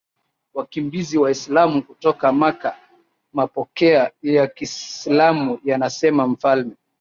wakimbizi Waislamu kutoka Maka Mapokeo ya Kiislamu yanasema mfalme